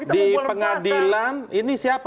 di pengadilan ini siapa